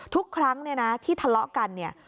ทุกครั้งที่ทะเลาะกันเนี่ย